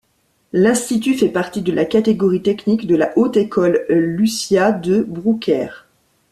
L'Institut fait partie de la catégorie technique de la Haute École Lucia de Brouckère.